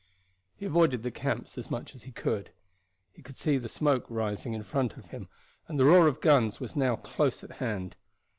He avoided the camps as much as he could. He could see the smoke rising in front of him, and the roar of guns was now close at hand.